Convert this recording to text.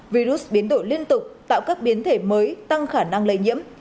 virus biến đổi liên tục tạo các biến thể mới tăng khả năng lây nhiễm